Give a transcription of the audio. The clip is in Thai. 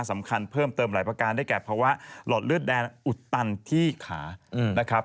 สำคัญเพิ่มเติมหลายประการได้แก่ภาวะหลอดเลือดแดงอุดตันที่ขานะครับ